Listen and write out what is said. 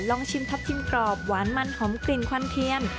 ลองชิมทับทิมกรอบหวานมันหอมกลิ่นควันเทียม